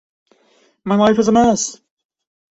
My life is a mess.